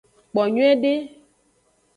Kpo nyuiede.